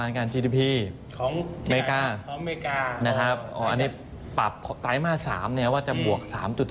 อ๋ออันนี้ปรับไตม่าตรซ้ำว่าจะบวก๓๓